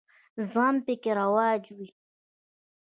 زغم پکې رواج وي.